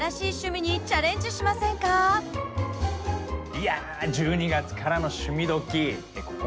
いやぁ「１２月からの趣味どきっ！」